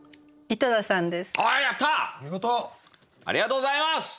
ありがとうございます！